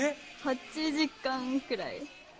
８時間くらい。